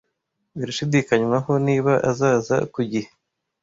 Birashidikanywaho niba azaza ku gihe.